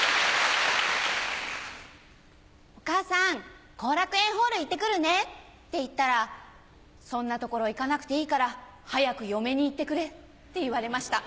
お母さん後楽園ホール行って来るねって言ったらそんな所行かなくていいから早く嫁に行ってくれって言われました。